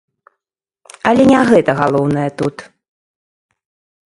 Але не гэта галоўнае тут.